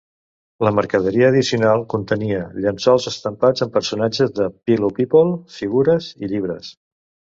La mercaderia addicional contenia llençols estampats amb personatges de Pillow People, figures i llibres.